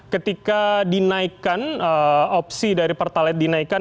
ketika dinaikkan opsi dari pertalite dinaikkan